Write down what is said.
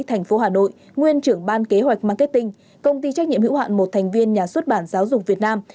thành phố hà nội nguyên chủ tịch hội đồng thành viên công ty trách nhiệm hữu hạn một thành viên nhà xuất bản giáo dục việt nam